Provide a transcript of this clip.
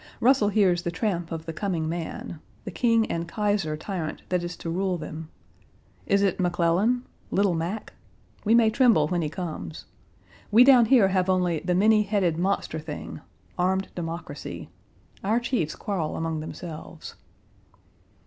Russell hears the tramp of the coming man the king and kaiser tyrant that is to rule them. Is it McClellan? "Little Mac"? We may tremble when he comes. We down here have only "the many headed monster thing," armed democracy. Our chiefs quarrel among themselves.